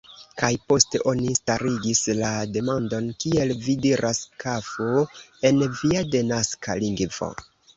Kaj poste oni starigis la demandon, kiel vi diras "kafo" en via denaska lingvo.